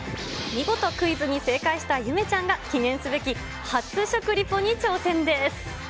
見事、クイズに正解したゆめちゃんが、記念すべき初食リポに挑戦です。